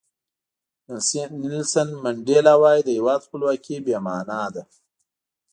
نیلسن منډیلا وایي د هیواد خپلواکي بې معنا ده.